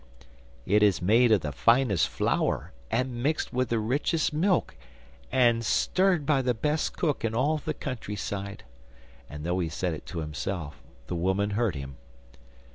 'It is made of the finest flour and mixed with the richest milk and stirred by the best cook in all the countryside,' and though he said it to himself, the woman heard him.